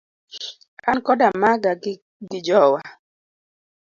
An koda maga gi jowa.